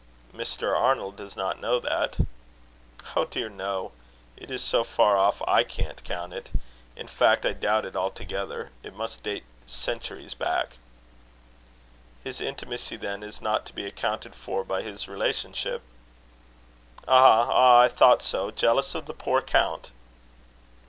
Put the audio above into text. "Mr. Arnold does not know that?" "Oh dear! no. It is so far off I can't count it, In fact I doubt it altogether. It must date centuries back." "His intimacy, then, is not to be accounted for by his relationship?" "Ah! ah! I thought so. Jealous of the poor count!"